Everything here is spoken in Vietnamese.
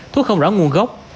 thuốc không rõ nguồn gốc